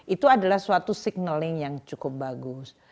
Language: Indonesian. itu adalah suatu signaling yang cukup bagus